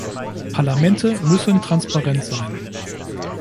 Parlamente müssen transparent sein.